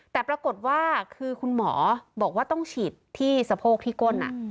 แต่ปรากฏว่าคือคุณหมอบอกว่าต้องฉีดที่สะโพกที่ก้น